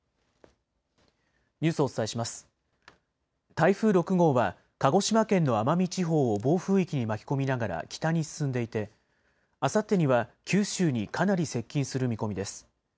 台風６号は鹿児島県の奄美地方を暴風域に巻き込みながら北に進んでいて、あさってには九州にかなり接近する見込みです。